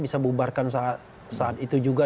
bisa bubarkan saat itu juga